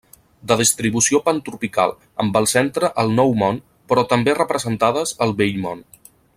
De distribució pantropical amb el centre al Nou Món però també representades al vell Món.